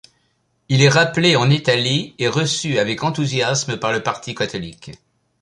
Il est rappelé en Italie et reçu avec enthousiasme par le parti catholique.